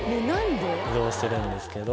移動してるんですけど。